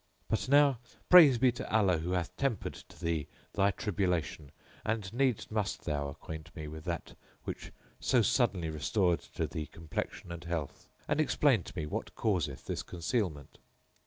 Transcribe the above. But now praise be to Allah who hath tempered to thee thy tribulation, and needs must thou acquaint me with that which so suddenly restored to thee complexion and health, and explain to me what causeth this concealment."